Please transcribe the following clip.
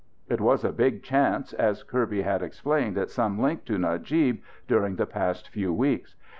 It was a big chance, as Kirby had explained at some length to Najib, during the past few weeks.